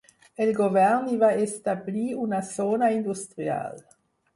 El govern hi va establir una zona industrial.